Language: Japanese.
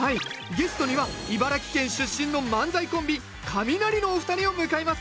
ゲストには茨城県出身の漫才コンビカミナリのお二人を迎えます。